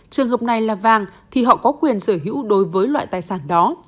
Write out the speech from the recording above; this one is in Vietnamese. trường hợp này là vàng thì họ có quyền sở hữu đối với loại tài sản đó